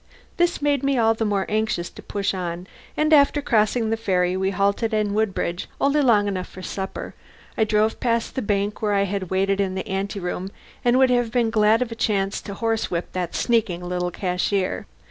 This made me all the more anxious to push on, and after crossing the ferry we halted in Woodbridge only long enough for supper. I drove past the bank where I had waited in the anteroom, and would have been glad of a chance to horsewhip that sneaking little cashier.